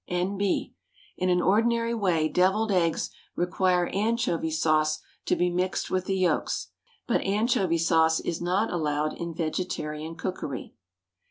N.B. In an ordinary way devilled eggs require anchovy sauce to be mixed with the yolks, but anchovy sauce is not allowed in vegetarian cookery.